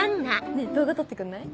ねぇ動画撮ってくんない？